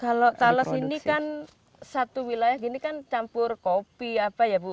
kalau tales ini kan satu wilayah gini kan campur kopi apa ya bu